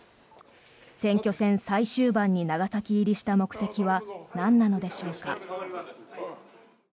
選挙戦最終盤に長崎入りした目的はなんなのでしょうか。